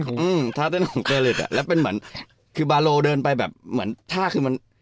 ก๋ได้ถ่ายมันท่าเต้นของเตอริทแล้วเป็นเหมือนคือบาร์โหลเดินไปแบบหมาคืน